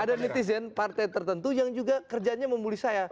ada netizen partai tertentu yang juga kerjanya membuli saya